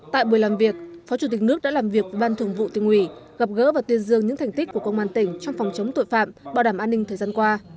tại buổi làm việc phó chủ tịch nước đã làm việc với ban thường vụ tỉnh ủy gặp gỡ và tuyên dương những thành tích của công an tỉnh trong phòng chống tội phạm bảo đảm an ninh thời gian qua